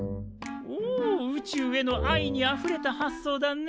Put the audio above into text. おお宇宙への愛にあふれた発想だね。